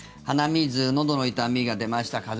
鼻水のどの痛みが出ました